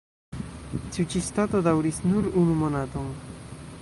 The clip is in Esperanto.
Tiu ĉi stato daŭris nur unu monaton.